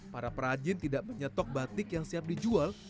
para perajin tidak menyetok batik yang siap dijual